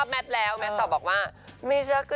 ฉันตลกอันนี้ค่ะคนมาเม้นต์บอกว่าไม่ชอบแมทแล้ว